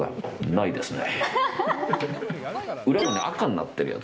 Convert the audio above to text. ないですね。